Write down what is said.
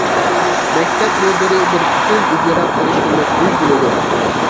مەكتەپ مۇدىرى بىر پۈتۈن ئىجرا قىلىشقا مەسئۇل بولىدۇ.